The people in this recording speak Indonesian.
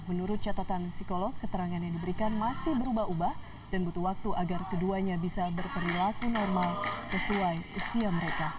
menurut catatan psikolog keterangan yang diberikan masih berubah ubah dan butuh waktu agar keduanya bisa berperilaku normal sesuai usia mereka